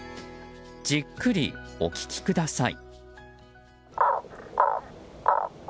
じっくりお聞きください。